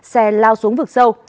xe lao xuống vực sâu